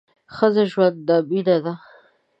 ښځه ژوند ده ، مینه ده